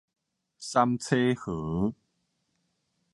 三叉河